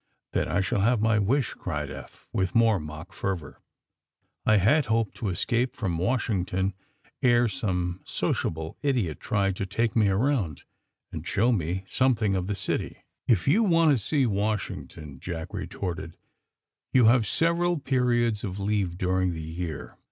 ^^ Then I shall have my wish !'' cried Eph, with more mock fervor. ^^I had hoped to escape from Washington ere some sociable idiot tried 22 THE SUBMARINE BOYS to take me around and show me something' of the city." If yon want to see Washington," Jack re torted, *^you have several periods of leave dur ing the year.